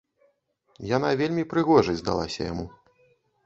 Яна вельмі прыгожай здалася яму.